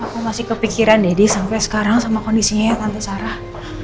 aku masih kepikiran deddy sampai sekarang sama kondisinya ya tante sarah